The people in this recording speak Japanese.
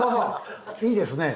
いいですね。